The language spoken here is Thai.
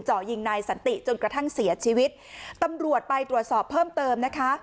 ยิงนายสันติจนกระทั่งเสียชีวิตตำรวจไปตรวจสอบเพิ่มเติมนะคะ